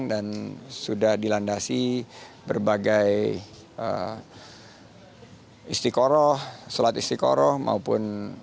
dan sudah dilandasi berbagai istikoroh solat istikoroh maupun